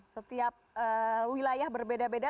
setiap wilayah berbeda beda